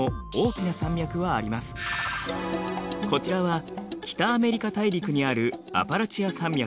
こちらは北アメリカ大陸にあるアパラチア山脈。